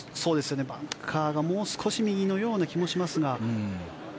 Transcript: バンカーがもう少し右のような気もしますが。